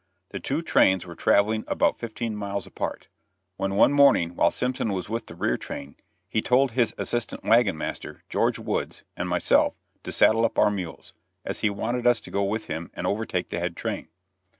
The two trains were traveling about fifteen miles apart, when one morning while Simpson was with the rear train, he told his assistant wagon master, George Woods and myself to saddle up our mules, as he wanted us to go with him and overtake the head train.